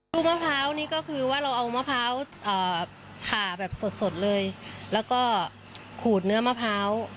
ลูกมะพร้าวนี่ก็คือว่าเราเอามะพร้าวขาแบบสดเลยแล้วก็ขูดเนื้อมะพร้าว